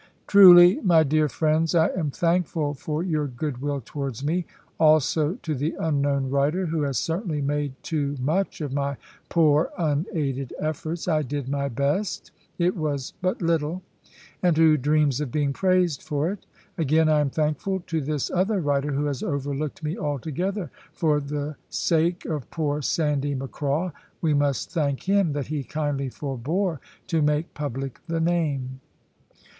"Truly, my dear friends, I am thankful for your goodwill towards me. Also to the unknown writer, who has certainly made too much of my poor unaided efforts. I did my best; it was but little: and who dreams of being praised for it? Again, I am thankful to this other writer, who has overlooked me altogether. For the sake of poor Sandy Macraw, we must thank him that he kindly forbore to make public the name."